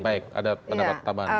baik ada pendapat tambahan